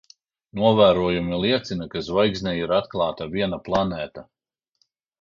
Novērojumi liecina, ka zvaigznei ir atklāta viena planēta.